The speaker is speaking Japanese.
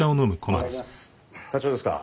あっ課長ですか？